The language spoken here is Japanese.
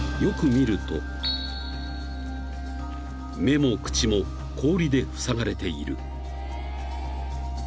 ［よく見ると目も口も氷でふさがれている］